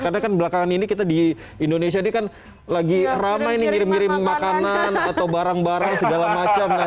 karena kan belakangan ini kita di indonesia ini kan lagi ramai nih ngirim ngirim makanan atau barang barang segala macam